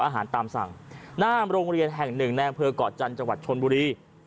แห่งหนึ่งแนนเฟิวกอดจันทร์จังหวัดชนบุรี